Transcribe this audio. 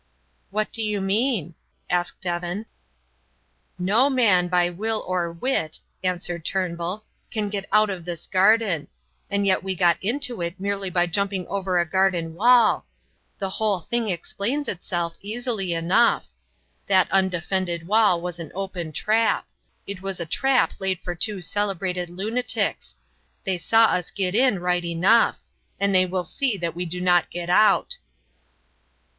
"What do you mean?" asked Evan. "No man by will or wit," answered Turnbull, "can get out of this garden; and yet we got into it merely by jumping over a garden wall. The whole thing explains itself easily enough. That undefended wall was an open trap. It was a trap laid for two celebrated lunatics. They saw us get in right enough. And they will see that we do not get out."